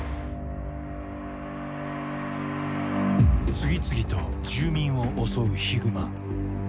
次々と住民を襲うヒグマ。